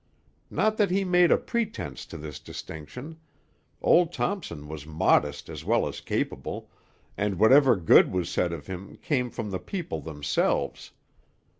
Not that he made a pretence to this distinction; old Thompson was modest as well as capable, and whatever good was said of him came from the people themselves.